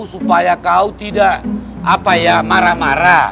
supaya kau tidak apa ya marah marah